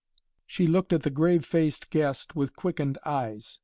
She looked at the grave faced guest with quickened eyes.